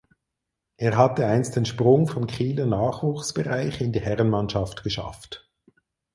Er hatte einst den Sprung vom Kieler Nachwuchsbereich in die Herrenmannschaft geschafft.